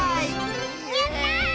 やった！